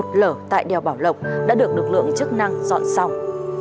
cảnh sát giao thông đèo bảo lộc đã được lực lượng chức năng dọn xong